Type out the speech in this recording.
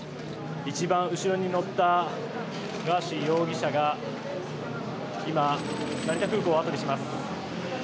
一番後ろに乗ったガーシー容疑者が今、成田空港を後にします。